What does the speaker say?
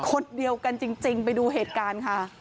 คนเดียวกันจริงไปดูเหตุการณ์ค่ะ